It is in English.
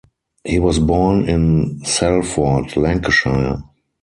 He was born in Salford, Lancashire.